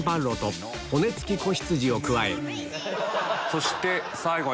そして最後。